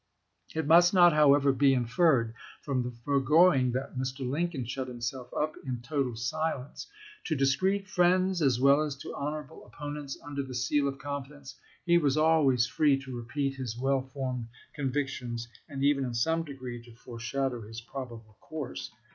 It must not, however, be inferred from the forego ing that Mr. Lincoln shut himself up in total silence. To discreet friends, as well as to honorable oppo nents, under the seal of confidence, he was always free to repeat his well formed convictions, and even in some degree to foreshadow his probable course.